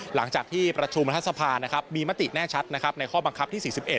หลังจากที่ประชุมรัฐสภามีมติแน่ชัดนะครับในข้อบังคับที่๔๑